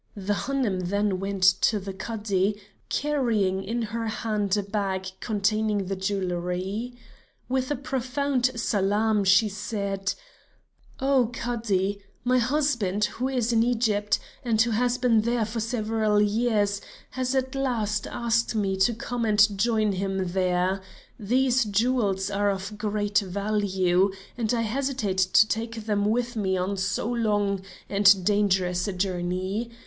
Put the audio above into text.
The Hanoum then went to the Cadi, carrying in her hand a bag containing the jewelry. With a profound salaam she said: "Oh Cadi, my husband, who is in Egypt and who has been there for several years, has at last asked me to come and join him there; these jewels are of great value, and I hesitate to take them with me on so long and dangerous a journey.